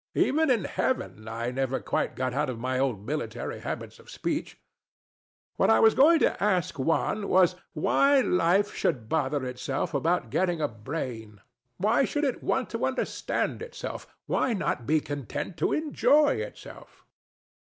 Even in heaven, I never quite got out of my old military habits of speech. What I was going to ask Juan was why Life should bother itself about getting a brain. Why should it want to understand itself? Why not be content to enjoy itself?